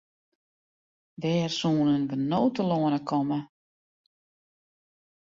Wêr soenen we no telâne komme?